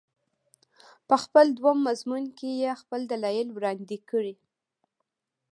په خپل دوهم مضمون کې یې خپل دلایل وړاندې کړي.